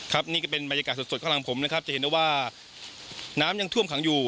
นี่ก็เป็นบรรยากาศสดข้างหลังผมนะครับจะเห็นได้ว่าน้ำยังท่วมขังอยู่